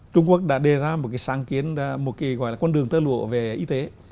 trung quốc đã đề ra một cái sáng kiến một cái gọi là con đường tơ lụa về y tế